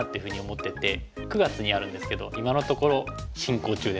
９月にあるんですけど今のところ進行中です。